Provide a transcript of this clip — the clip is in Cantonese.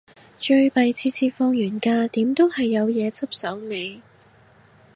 最弊次次放完假，點都係有嘢執手尾